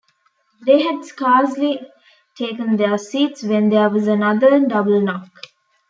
They had scarcely taken their seats when there was another double knock.